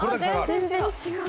全然違う。